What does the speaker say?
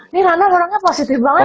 nih rana orangnya positif banget ya